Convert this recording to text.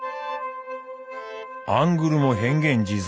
アングルも変幻自在！